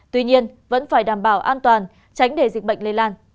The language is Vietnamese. tuy nhiên vẫn phải đảm bảo an toàn tránh để dịch bệnh lây lan